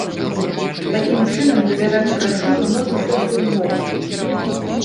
Такім чынам, давяраць брашуры можна толькі ўмоўна.